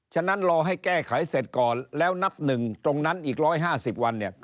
ฉะนั้นรอให้แก้ไขเสร็จก่อนแล้วนับ๑ตรงนั้นอีก๑๕๐วัน